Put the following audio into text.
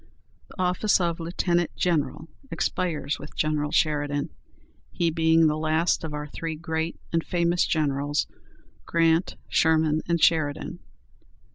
The office of "Lieutenant General" expires with General Sheridan, he being the last of our three great and famous generals, Grant, Sherman, and Sheridan.